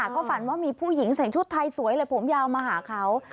เขาฝันว่ามีผู้หญิงใส่ชุดไทยสวยเลยผมยาวมาหาเขา